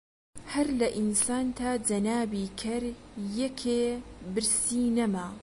هەر لە ئینسان تا جەنابی کەر یەکێ برسی نەما